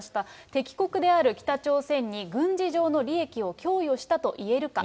敵国である北朝鮮に、軍事上の利益を供与したといえるか。